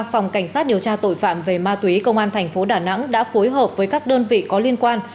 phòng cảnh sát điều tra tội phạm về ma túy công an thành phố đà nẵng đã phối hợp với các đơn vị có liên quan